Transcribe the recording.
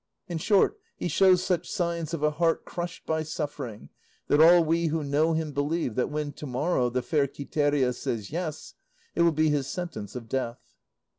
In short, he shows such signs of a heart crushed by suffering, that all we who know him believe that when to morrow the fair Quiteria says 'yes,' it will be his sentence of death."